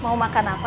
mau makan apa